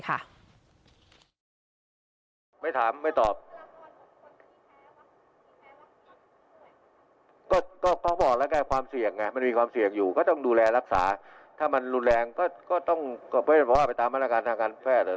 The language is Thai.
ก็ต้องเพราะว่าไปตามพนักการณ์ทางการแฟ่ดเลยเนอะ